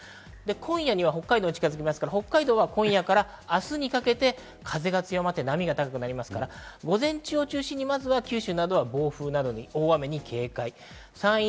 今夜には北海道に近づくので北海道は今夜から明日にかけて風が強まって波が高くなりますから、午前中を中心に九州などは暴風・大雨に警戒。